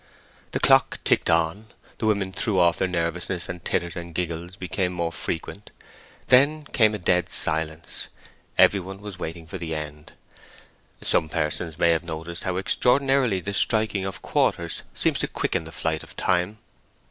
The clock ticked on. The women threw off their nervousness, and titters and giggling became more frequent. Then came a dead silence. Every one was waiting for the end. Some persons may have noticed how extraordinarily the striking of quarters seems to quicken the flight of time.